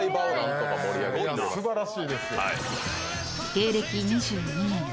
［芸歴２２年］